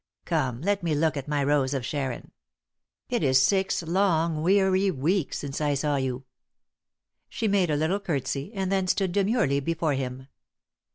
Come, let me look at my rose of Sharon. It is six long weary weeks since I saw you." She made a little curtsey, and then stood demurely before him.